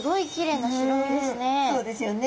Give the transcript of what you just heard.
そうですよね。